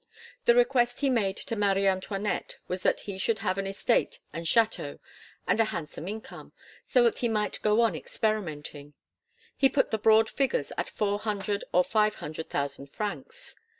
The request he made to Marie Antoinette was that he should have an estate and château and a handsome income, so that he might go on experimenting; he put the broad figures at four hundred or five hundred thousand francs.